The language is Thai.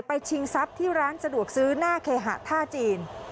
ชิงทรัพย์ที่ร้านสะดวกซื้อหน้าเคหะท่าจีน